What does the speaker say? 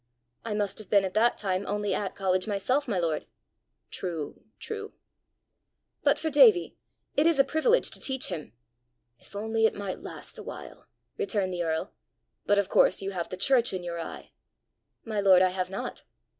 "I must have been at that time only at college myself, my lord!" "True! true!" "But for Davie, it is a privilege to teach him!" "If only it might last a while!" returned the earl. "But of course you have the church in your eye!" "My lord, I have not."